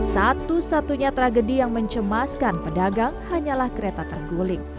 satu satunya tragedi yang mencemaskan pedagang hanyalah kereta terguling